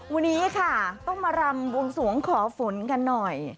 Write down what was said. วันนี้ค่ะต้องมารำบวงสวงขอฝนกันหน่อย